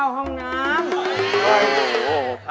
ด้วยค่ะ